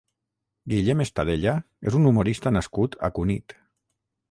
Guillem Estadella és un humorista nascut a Cunit.